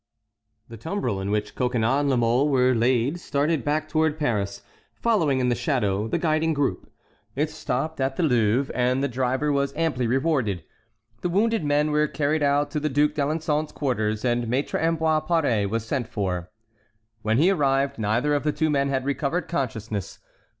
The tumbril in which Coconnas and La Mole were laid started back toward Paris, following in the shadow the guiding group. It stopped at the Louvre, and the driver was amply rewarded. The wounded men were carried to the Duc d'Alençon's quarters, and Maître Ambroise Paré was sent for. When he arrived, neither of the two men had recovered consciousness.